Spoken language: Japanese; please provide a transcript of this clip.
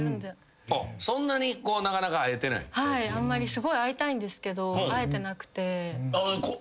すごい会いたいんですけど会えてなくて。